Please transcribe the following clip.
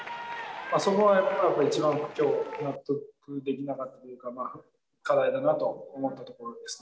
そこはやっぱり一番きょう、納得できなかったというか、まあ、課題だなと思ったところですね。